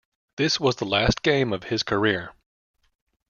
This was the last game of his career.